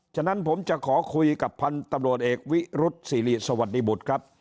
ฉะนั้นผมจะขอคุยกับพันธุ์ตำรวจเอกวิรุษศิริสวัสดีบุตรครับ